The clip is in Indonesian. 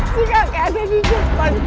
si kakek ada di depan